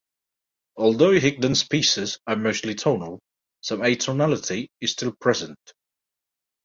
Although Higdon's pieces are mostly tonal, some atonality is still present.